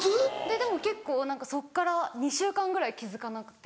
でも結構何かそっから２週間ぐらい気付かなくて。